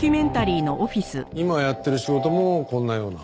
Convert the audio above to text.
今やってる仕事もこんなような？